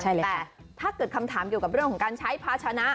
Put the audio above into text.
แต่ถ้าเกิดคำถามเกี่ยวกับเรื่องของการใช้ภาชนะ